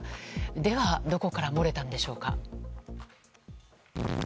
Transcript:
では、どこから漏れたんでしょうか？